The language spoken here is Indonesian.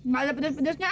gak ada pedes pedesnya